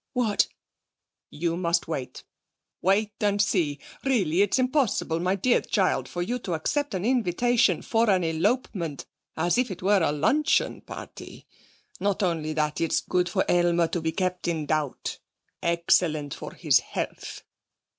'What?' 'You must wait. Wait and see. Really, it's impossible, my dear child, for you to accept an invitation for an elopement as if it were a luncheon party. Not only that, it's good for Aylmer to be kept in doubt. Excellent for his health.'